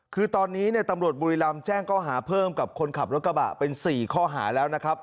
คือตอนนี้ตำรวจบุรีรำแจ้งข้อหาเพิ่มกับคนขับรถกระบะเป็น๔ข้อหาแล้วนะครับ